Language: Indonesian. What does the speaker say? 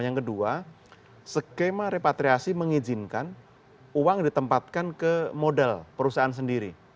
yang kedua skema repatriasi mengizinkan uang ditempatkan ke modal perusahaan sendiri